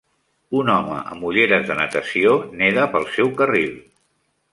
Un home amb ulleres de natació neda pel seu carril